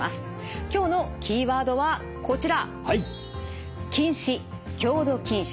今日のキーワードはこちら。